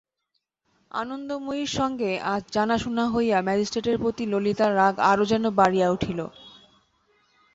আনন্দময়ীর সঙ্গে আজ জানাশুনা হইয়া ম্যাজিস্ট্রেটের প্রতি ললিতার রাগ আরো যেন বাড়িয়া উঠিল।